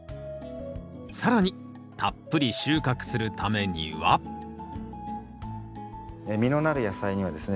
更にたっぷり収穫するためには実のなる野菜にはですね